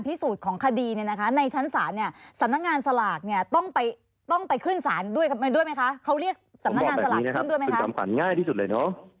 ผมบอกแบบนี้นะครับคือตามฝันง่ายที่สุดเลยเนอะ